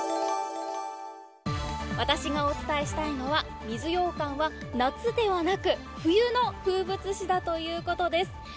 私がお伝えしたいのは水ようかんは夏ではなく冬の風物詩だということです。